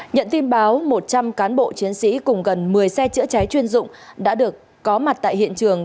nhận tin báo một trăm linh cán bộ chiến sĩ cùng gần một mươi xe chữa cháy chuyên dụng đã được có mặt tại hiện trường